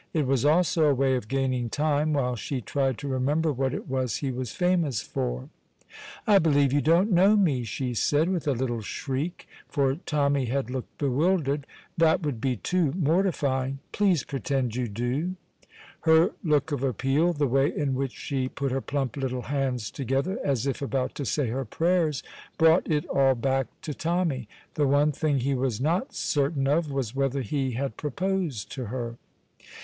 It was also a way of gaining time while she tried to remember what it was he was famous for. "I believe you don't know me!" she said, with a little shriek, for Tommy had looked bewildered. "That would be too mortifying. Please pretend you do!" Her look of appeal, the way in which she put her plump little hands together, as if about to say her prayers, brought it all back to Tommy. The one thing he was not certain of was whether he had proposed to her.